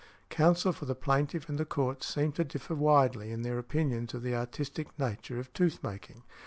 Counsel for the plaintiff and the Court seemed to differ widely in their opinions of the artistic nature of tooth making.